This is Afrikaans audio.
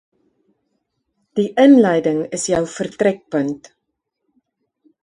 Die inleiding is jou vertrekpunt.